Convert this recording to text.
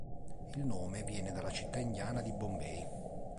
Il nome viene dalla città indiana di Bombay.